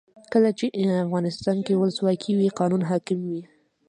کله چې افغانستان کې ولسواکي وي قانون حاکم وي.